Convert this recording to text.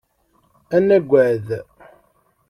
Ad nagad.